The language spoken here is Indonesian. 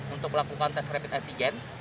untuk melakukan tes rapid antigen